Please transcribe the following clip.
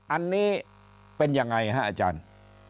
อันนี้เป็นยังไงฮะอาจารย์